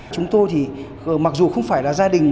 chúng tôi thì mặc dù không phải là gia đình